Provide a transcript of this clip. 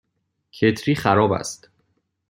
کتری خراب است.